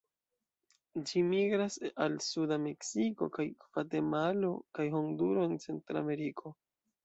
Ĝi migras al suda Meksiko kaj Gvatemalo kaj Honduro en Centrameriko.